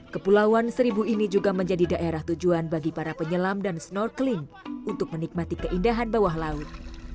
kepulauan seribu ini juga menjadi daerah tujuan bagi para penyelam dan snorkeling untuk menikmati keindahan bawah laut